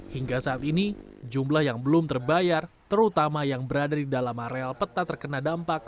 hingga saat ini jumlah yang belum terbayar terutama yang berada di dalam areal peta terkena dampak